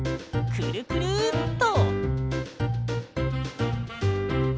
くるくるっと！